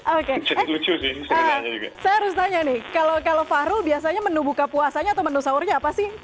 oke lucu sih nenek kalau kalau fahru biasanya menu buka puasanya atau menu sahurnya apa sih